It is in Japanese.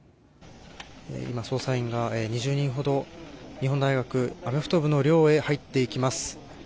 「今、捜査員が２０人ほど日本大学アメフト部の寮へ入っていきます